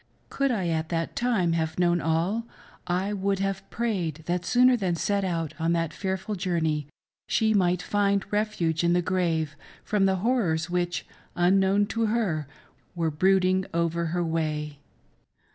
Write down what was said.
Could I at that time have known all, I would have prayed that sooner than set out •on that fearful journey she might find refuge in the grave from the horrors which, unknown to her, were brooding over her way.